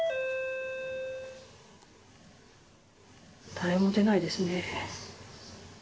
誰も出ないですね。